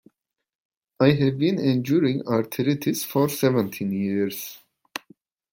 I have been enduring arthritis for seventeen years.